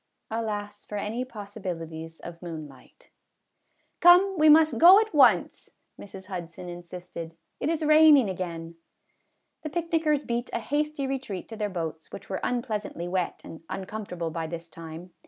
Alas for any possibilities of moonlight !" Come, we must go at once," Mrs. Hudson in sisted ;" it is raining again." The picnickers beat a hasty retreat to their boats, which were unpleasantly wet and uncomfortable by this time.